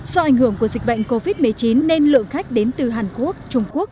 do ảnh hưởng của dịch bệnh covid một mươi chín nên lượng khách đến từ hàn quốc trung quốc